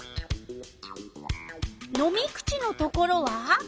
飲み口のところは？